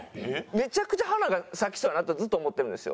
めちゃくちゃ花が咲きそうやなとずっと思ってるんですよ